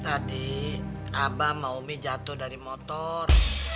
tadi abah sama umi jatuh dari motor